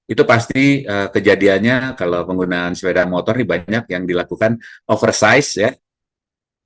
itu pasti kejadiannya kalau penggunaan sepeda motor ini banyak yang dilakukan oversize ya